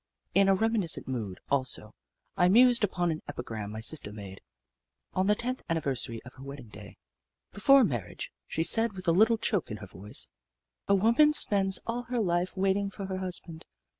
In a remi niscent mood, also, I mused upon an epigram my sister made, on the tenth anniversary of her wedding day. " Before marriage," she said, with a little choke in her voice, " a v/oman spends all her life waiting for her husband.